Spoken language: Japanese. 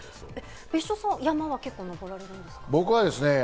別所さんは山は結構登られるんですか？